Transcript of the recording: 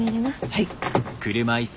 はい。